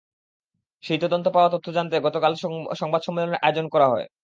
সেই তদন্তে পাওয়া তথ্য জানাতে গতকালের সংবাদ সম্মেলনের আয়োজন করা হয়।